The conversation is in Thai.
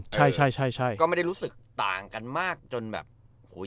ใช่ใช่ใช่ก็ไม่ได้รู้สึกต่างกันมากจนแบบโอ้โห